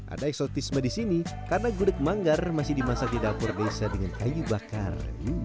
ada eksotisme di sini karena gudeg manggar masih dimasak di dapur desa dengan kayu bakar